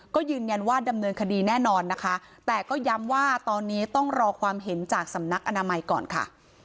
ก็ยืนยันว่าดำเนินคดีแน่นอนนะคะแต่ก็ย้ำว่าตอนนี้ต้องรอความเห็นจากสำนักอนามัยก่อนค่ะ